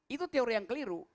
itu teori yang keliru